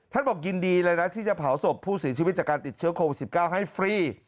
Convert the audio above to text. บอกยินดีเลยนะที่จะเผาศพผู้เสียชีวิตจากการติดเชื้อโควิด๑๙ให้ฟรี